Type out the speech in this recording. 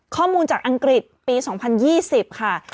ข้อมูลจากอังกฤษปี๒๐๒๐ค่ะ